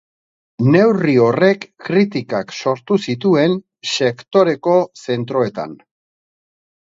Neurri horrek kritikak sortu zituen sektoreko zentroetan.